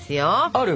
ある？